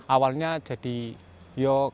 ausalnya jadi jadi